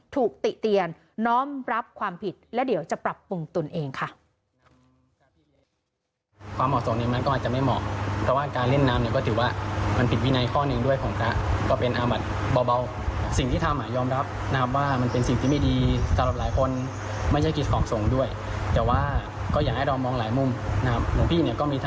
ติเตียนน้อมรับความผิดและเดี๋ยวจะปรับปรุงตนเองค่ะ